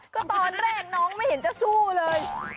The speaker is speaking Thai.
ก็ตอนแรกน้องไม่เห็นจะสู้เลย